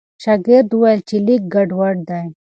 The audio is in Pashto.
شاګرد وویل چې لیک ګډوډ دی.